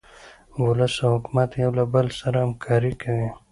ولس او حکومت یو له بل سره همکاري کوي.